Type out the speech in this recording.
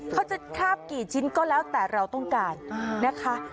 เขาจะคราบกี่ชิ้นก็แล้วแต่เราต้องการนะคะ